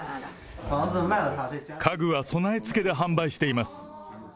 家具は備え付けで販売しています。